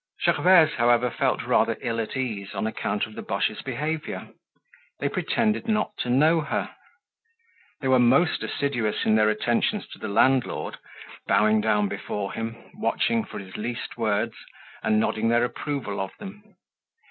Gervaise, however, felt rather ill at ease on account of the Boches' behavior. They pretended not to know her. They were most assiduous in their attentions to the landlord, bowing down before him, watching for his least words, and nodding their approval of them.